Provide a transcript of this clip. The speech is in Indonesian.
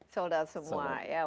sold out semua ya